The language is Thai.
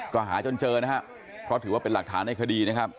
ก็หาจนเจอนะครับเพราะถือว่าเป็นหลักฐานในคดีนะครับ